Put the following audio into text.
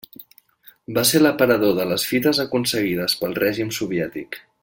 Va ser l'aparador de les fites aconseguides pel Règim Soviètic.